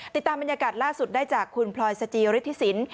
ติดตามบรรยากาศล่าสุดได้จากคุณพลอยสจิฤทธิสิน